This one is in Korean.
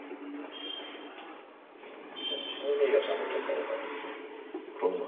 주먹을 쥐고 목청껏 부르짖자 그는 몹시 흥분되었다.